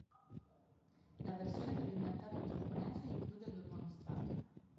La versione per il mercato giapponese include due bonus track.